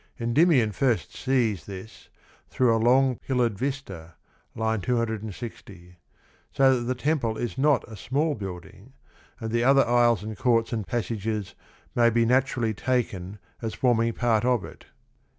Endymion fir.st sees tiiis " through a long pillar'd vista " (260), so that the temple is not a small building, and the other aisles and courts and passages may be naturally taken as forming part of it.